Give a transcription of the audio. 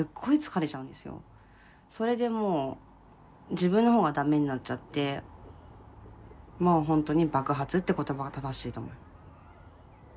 それでもう自分の方が駄目になっちゃってもうほんとに爆発って言葉が正しいと思います。